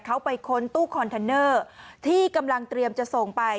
เขาไปค้นตู้คอนเทนเนอร์ที่กำลังเตรียมจะส่งไป